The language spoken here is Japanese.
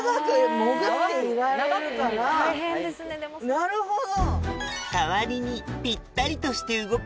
なるほど！